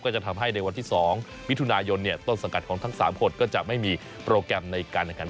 จะทำให้ในวันที่๒มิถุนายนต้นสังกัดของทั้ง๓คนก็จะไม่มีโปรแกรมในการแข่งขัน